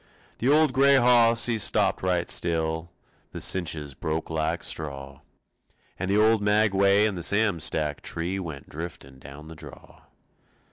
The old gray hoss he stopped right still; The cinches broke like straw, And the old maguey and the Sam Stack tree Went driftin' down the draw.